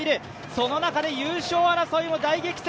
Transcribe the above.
その中で優勝争いは大激戦。